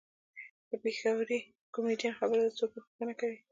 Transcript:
د پېښوري کمیډین خبره ده څوک یې پوښتنه کوي.